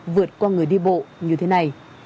vượt qua người đi bộ như thế này